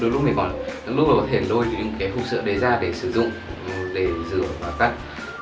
lúc này có lúc đó có thể lôi những cái hụt sữa đấy ra để sử dụng để rửa và cắt